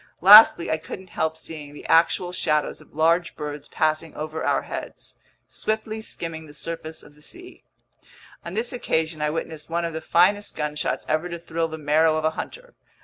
Lastly, I couldn't help seeing the actual shadows of large birds passing over our heads, swiftly skimming the surface of the sea. On this occasion I witnessed one of the finest gunshots ever to thrill the marrow of a hunter.